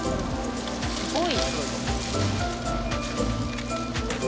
すごい。